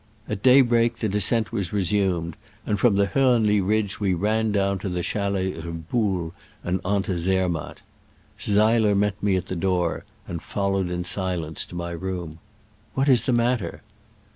At daybreak the descent was resumed, and from the Hornli ridge we ran down to the chalets of Buhl and on to Zermatt. Seiler met me at his door, and followed in silence to my room :'* What is the matter